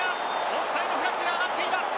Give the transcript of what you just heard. オフサイドフラッグが上がっています。